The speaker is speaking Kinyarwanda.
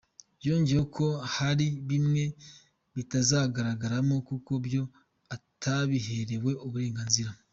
Yongeye ho ko hari bimwe bitazagaragaramo kuko byo atabiherewe uburenganzira.